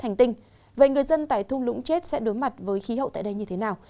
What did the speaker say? hành tinh vậy người dân tại thung lũng chết sẽ đối mặt với khí hậu tại đây như thế nào